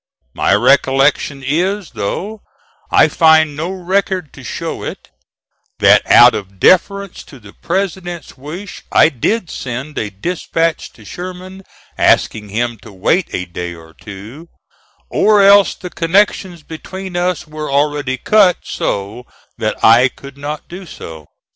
My recollection is, though I find no record to show it, that out of deference to the President's wish I did send a dispatch to Sherman asking him to wait a day or two, or else the connections between us were already cut so that I could not do so.